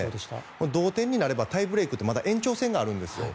これ、同点になればタイブレークって延長戦があるんですよ。